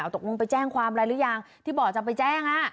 ตกลงไปแจ้งความอะไรหรือยังที่บอกจะไปแจ้ง